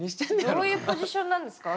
どういうポジションなんですか？